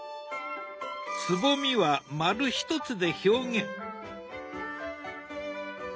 つぼみは丸ひとつで表現。